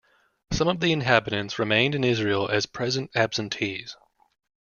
Some of the inhabitants remained in Israel as present absentees.